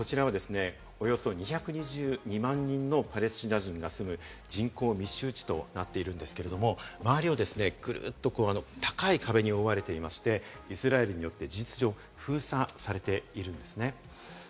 こちらはですね、およそ２２２万人のパレスチナ人が住む人口密集地となっているんですけれども、周りをぐるっと高い壁に覆われていまして、イスラエルによって事実上封鎖されているんですね。